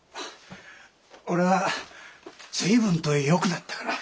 俺は随分とよくなったから。